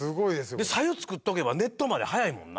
白湯作っとけば熱湯まで早いもんな。